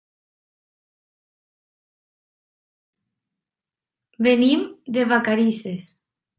Venim de Vacarisses.